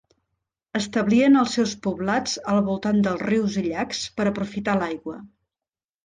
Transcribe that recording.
Establien els seus poblats al voltant dels rius i llacs per aprofitar l'aigua.